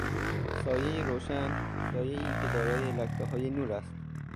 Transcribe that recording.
سایه روشن، سایهای که دارای لکههای نور است